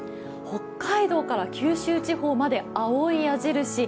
北海道から九州地方まで青い矢印。